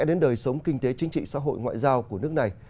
đến đời sống kinh tế chính trị xã hội ngoại giao của nước này